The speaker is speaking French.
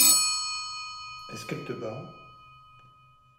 Est-ce qu'elle te bat ?